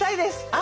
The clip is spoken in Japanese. あ。